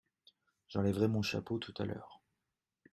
J’enlèverai mon chapeau tout à l’heure.